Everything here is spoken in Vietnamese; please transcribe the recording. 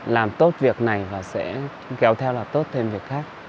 làm tốt việc này và sẽ kéo theo là tốt thêm việc khác